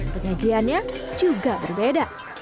penyajiannya juga berbeda